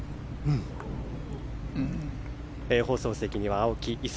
放送席には青木功